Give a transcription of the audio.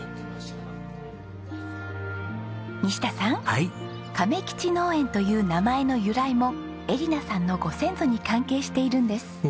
西田さん亀吉農園という名前の由来も恵梨奈さんのご先祖に関係しているんです。